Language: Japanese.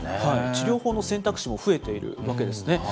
治療法の選択肢も増えているわけなんですね。